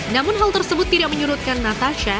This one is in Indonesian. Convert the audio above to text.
namun hal tersebut tidak menyurutkan natasha